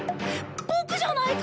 ボクじゃないか！